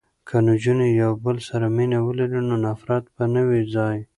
که نجونې یو بل سره مینه ولري نو نفرت به نه وي ځای.